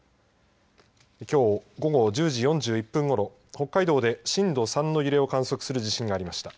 きょう午後１０時４１分ごろ北海道で震度３の揺れを観測する地震がありました。